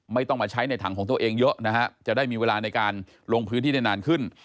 ไม่ต้องมาใช้ในถังของตัวเองเยอะนะฮะจะได้มีเวลาในการลงพื้นที่ได้นานขึ้น